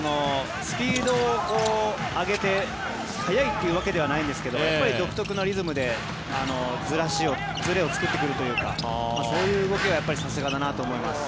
スピードを上げて速いというわけではないんですが独特のリズムでずれを作ってくるというかそういう動きはさすがだなと思います。